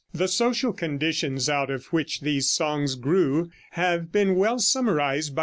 The social conditions out of which these songs grew have been well summarized by M.